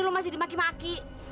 lo masih dimaki maki